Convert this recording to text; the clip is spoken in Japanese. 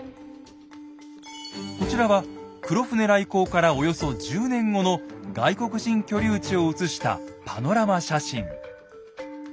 こちらは黒船来航からおよそ１０年後の外国人居留地を写したパノラマ写真。